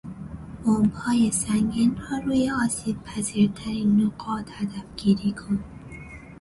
بمبهای سنگین را روی آسیبپذیرترین نقاط هدف گیری کن.